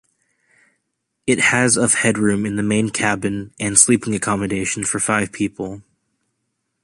It has of headroom in the main cabin and sleeping accommodation for five people.